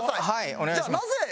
はいお願いします。